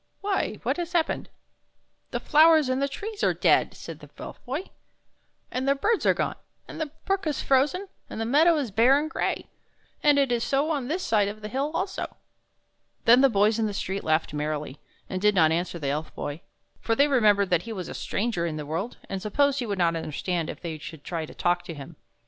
"" Why, what has happened? "" The flowers and trees are dead," said the Elf Boy, " and the birds are gone, and the brook is frozen, and the meadow is bare and gray. And it is so on this side of the hill also." Then the boys in the street laughed merrily, and did not answer the Elf Boy, for they remembered that he was a stranger in the world, and supposed he would not understand if they should try to talk to him.